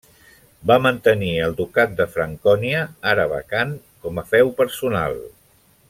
Va mantenir el ducat de Francònia, ara vacant, com a feu personal.